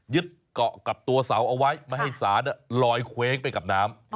เกาะกับตัวเสาเอาไว้ไม่ให้สารลอยเคว้งไปกับน้ำ